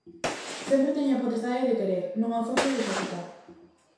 Sempre teño a potestade de querer, non a forza de executar.